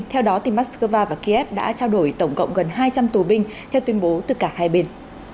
theo đó moscow và kiev đã trao đổi tổng cộng gần hai trăm linh tù binh theo tuyên bố từ cả hai bên